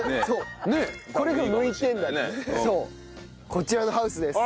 こちらのハウスです。